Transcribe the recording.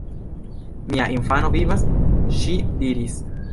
Mia infano vivas, ŝi diris.